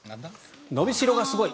のびしろがすごい。